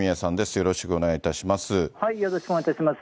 よろしよろしくお願いいたします。